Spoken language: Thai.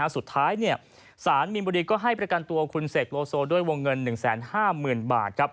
สุดท้ายสารมีนบุรีก็ให้ประกันตัวคุณเสกโลโซด้วยวงเงิน๑๕๐๐๐บาท